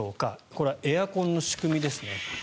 これはエアコンの仕組みです。